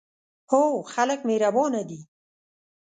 هو، خلک مهربانه دي